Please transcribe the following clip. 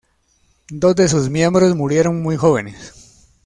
Dos de sus miembros murieron muy jóvenes.